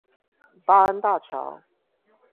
八安大橋